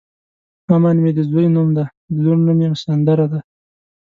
امن مې د ځوی نوم دی د لور نوم مې سندره ده.